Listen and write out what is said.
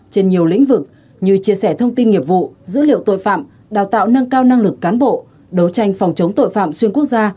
trên nhiều lĩnh vực như chia sẻ thông tin nghiệp vụ dữ liệu tội phạm đào tạo nâng cao năng lực cán bộ đấu tranh phòng chống tội phạm xuyên quốc gia